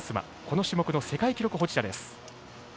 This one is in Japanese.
この種目の世界記録保持者です。